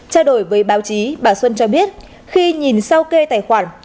trao đổi với báo chí bà xuân cho biết khi nhìn sau kê tài khoản